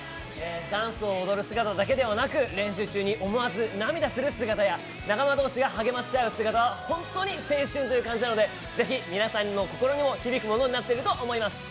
ダンスを踊る姿だけでなく練習中に思わず涙する姿など仲間同士が励まし合う姿は本当に青春という感じなので、ぜひ皆さんの心にも響くものとなっています。